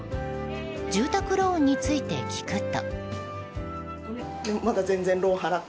住宅ローンについて聞くと。